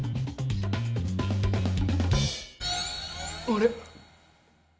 あれ？